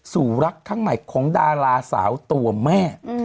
สู่รักทั้งหมายของดาราสาวตัวแม่